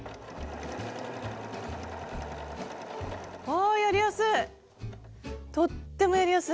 あやりやすい！